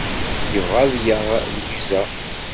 Yebɣa ad yaɣ Lwiza.